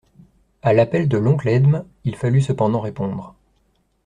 A l'appel de l'oncle Edme, il fallut cependant répondre.